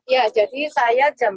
ya jadi saya jam dua